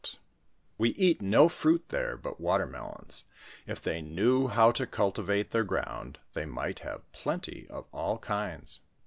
*^ e eat no fruit there but watermelons ; if they knew how to culti vate their ground, they might have plenty of all kinds.